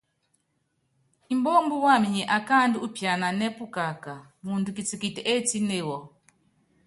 Mbómbú wam nyi akáaandú úpiananɛ́ pukaká, muundɔ kitikiti étíne wɔ.